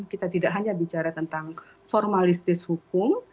kita tidak hanya bicara tentang formalistis hukum